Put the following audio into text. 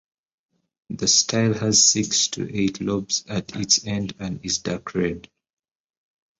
The style has six to eight lobes at its end and is dark red.